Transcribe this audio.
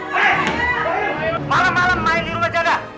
malam malam main di rumah jaga